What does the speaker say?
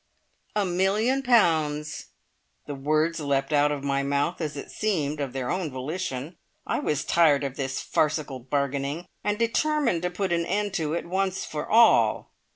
"A million pounds!" The words leapt out of my mouth as it seemed of their own volition. I was tired of this farcical bargaining, and determined to put an end to it, once for all.